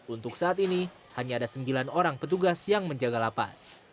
untuk saat ini hanya ada sembilan orang petugas yang menjaga lapas